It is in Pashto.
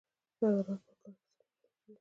عدالت په کار کې څنګه پلی کیږي؟